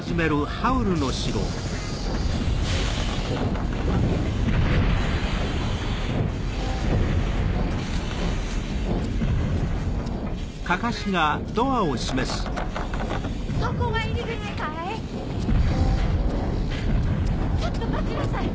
ハァハァちょっと待ちなさい！